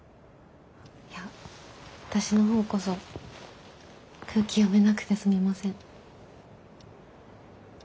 いや私の方こそ空気読めなくてすみません。